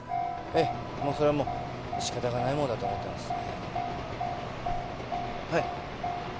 ええそれはもう仕方がないものだと思ってます